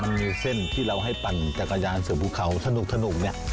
มันมีเส้นที่เราให้ปั่นจากกระยานเสือผู้เขาสนุกนี่